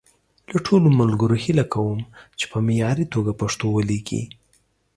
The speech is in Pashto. له ټولو ملګرو هیله کوم چې په معیاري توګه پښتو وليکي.